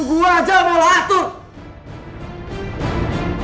gue aja yang mau lo atur